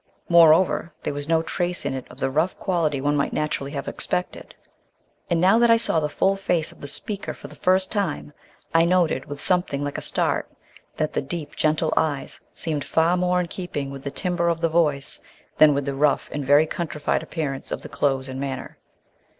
Moreover, there was no trace in it of the rough quality one might naturally have expected, and, now that I saw the full face of the speaker for the first time, I noted with something like a start that the deep, gentle eyes seemed far more in keeping with the timbre of the voice than with the rough and very countrified appearance of the clothes and manner.